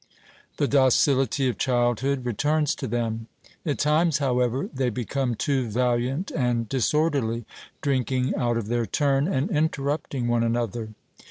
the docility of childhood returns to them. At times however they become too valiant and disorderly, drinking out of their turn, and interrupting one another.